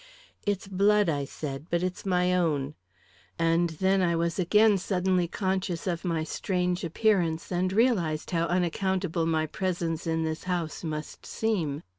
"It's blood," I said; "but it's my own," and then I was again suddenly conscious of my strange appearance, and realised how unaccountable my presence in this house must seem.